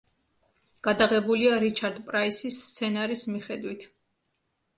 გადაღებულია რიჩარდ პრაისის სცენარის მიხედვით.